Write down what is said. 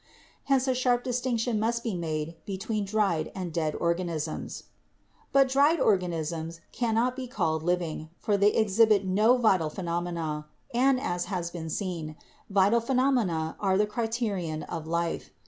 Hence a sharp distinction must be made between dried and dead organisms. But dried or 36 BIOLOGY ganisms cannot be called living, for they exhibit no vital phenomena, and, as has been seen, vital phenomena are the criterion of life.